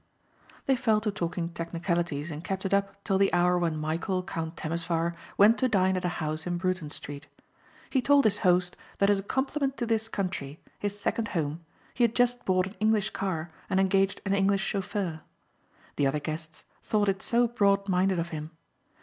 They fell to talking technicalities and kept it up till the hour when Michæl, Count Temesvar went to dine at a house in Bruton street. He told his host that as a compliment to this country, his second home, he had just bought an English car and engaged an English chauffeur. The other guests thought it so broad minded of him.